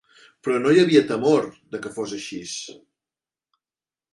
Però no hi havia temor de que fos axis.